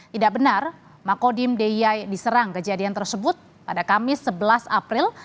tidak benar makodim de yai diserang kejadian tersebut pada kamis sebelas april